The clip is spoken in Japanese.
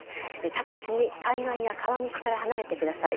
直ちに海岸や川岸から離れてください。